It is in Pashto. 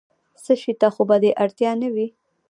څه شي ته خو به دې اړتیا نه وي؟